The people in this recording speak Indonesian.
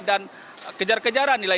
dan kejar kejaran nilai